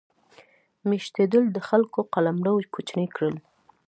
میشتېدل د خلکو قلمرو کوچني کړل.